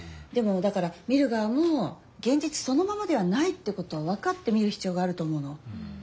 でもだから見る側もげん実そのままではないってことをわかって見るひつようがあると思うの。